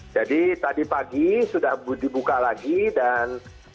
jadi tadi pagi sudah dibuka lagi dan